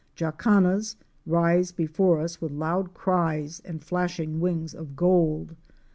Jacanas * rise before us with loud cries and flashing wings of gold.